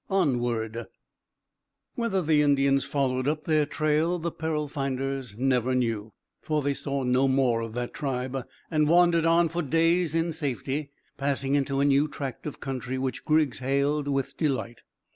ONWARD. Whether the Indians followed up their trail the peril finders never knew, for they saw no more of that tribe, and wandered on for days in safety, passing into a new tract of country which Griggs hailed with delight.